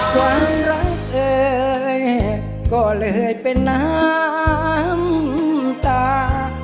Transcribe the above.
ความรักเธอก็เลยเป็นน้ำตา